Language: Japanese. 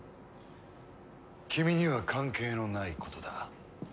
君には関係のないことだ。